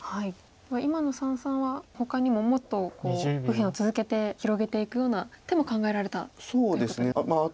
今の三々はほかにももっと右辺を続けて広げていくような手も考えられたということ。